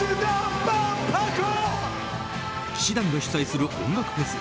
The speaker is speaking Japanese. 氣志團が主催する音楽フェス